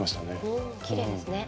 うんきれいですね。